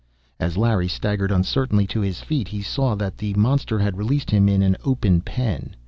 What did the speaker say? As Larry staggered uncertainly to his feet, he saw that the monster had released him in an open pen.